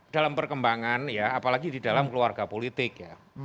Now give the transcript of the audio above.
dalam perkembangan ya apalagi di dalam keluarga politik ya